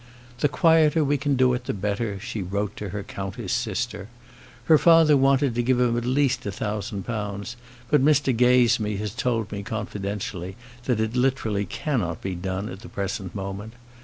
"The quieter we can do it the better," she wrote to her countess sister. "Her father wanted to give him at least a thousand pounds; but Mr Gazebee has told me confidentially that it literally cannot be done at the present moment!